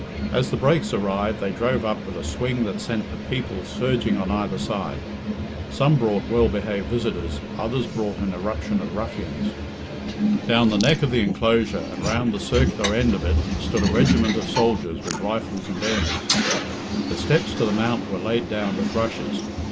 As the brakes arrived, they drove up with a swing that sent the people surging on either side. Some brought well behaved visitors, others brought an eruption of ruffians. Down the neck of the enclosure, and round the circular end of it, stood a regiment of soldiers with rifles and bayonets. The steps to the mount were laid down with rushes.